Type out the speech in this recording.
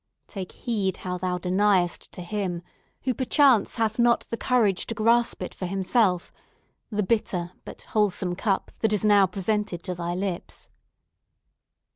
Take heed how thou deniest to him—who, perchance, hath not the courage to grasp it for himself—the bitter, but wholesome, cup that is now presented to thy lips!"